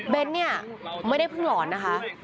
เนี่ยไม่ได้เพิ่งหลอนนะคะ